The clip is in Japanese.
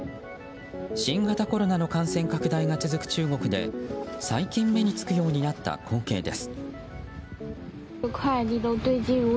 新型コロナの感染拡大が続く中国で最近目につくようになった光景です。